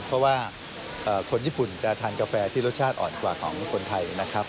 เพราะว่าคนญี่ปุ่นจะทานกาแฟที่รสชาติอ่อนกว่าของคนไทยนะครับ